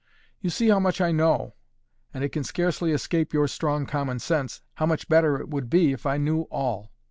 You see how much I know; and it can scarcely escape your strong common sense, how much better it would be if I knew all.